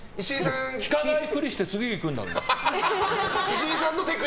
聞かない振りして次行くんだもん。